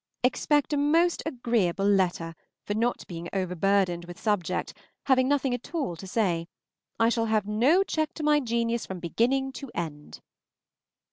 EXPECT a most agreeable letter, for not being overburdened with subject (having nothing at all to say), I shall have no check to my genius from beginning to end.